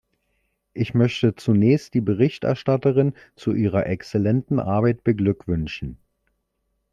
Ich möchte zunächst die Berichterstatterin zu ihrer exzellenten Arbeit beglückwünschen.